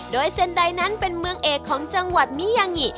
โดยเซ็นใดนั้นเป็นเมืองเอกของจังหวัดมิยางิ